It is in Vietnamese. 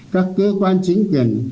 các cơ quan chính quyền